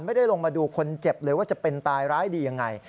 ไม่ได้ลงมาดูคนเจ็บเลยว่าจะเป็นตายร้ายดียังไง